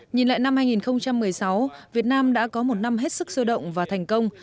nhìn lại năm hai nghìn một mươi sáu việt nam đã có một năm hết sức sôi động và thành công